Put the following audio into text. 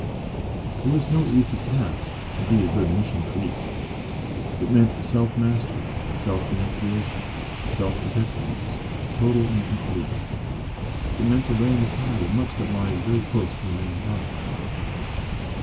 It was no easy task to be a good Mission Priest. It meant self mastery, self renunciation, self forgetfulness total and complete. It meant the laying aside of much that lies very close to a man's heart.